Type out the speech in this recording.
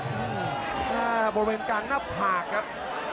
บริเวณการนับผากครับ